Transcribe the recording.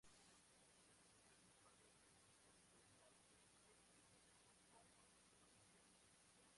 Se alimenta principalmente de corteza, frutos, los hongos y los insectos.